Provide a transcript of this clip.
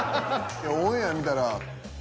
いやオンエア見たら。